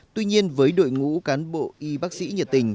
tuy nhiên với đội ngũ cán bộ y bác sĩ nhiệt tình